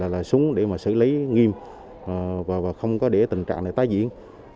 là xuống để xử lý nghiêm và không để tình trạng này tái diễn